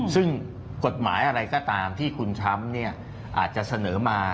ซึ่งกฎหมายอะไรก็ตามที่คุณช้ำอาจจะเสนอมา